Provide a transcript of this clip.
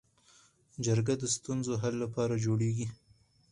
جرګه د ستونزو حل لپاره جوړیږي